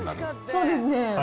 そうですね。